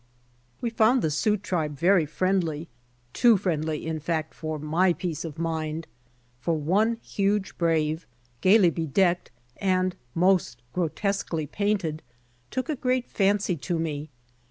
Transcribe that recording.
We found the Sioux tribe very friendly, too friendly in fact, for my peace of mind, for one huge brave, gayly bedecked and most grotesquely painted, took a great fancy to me.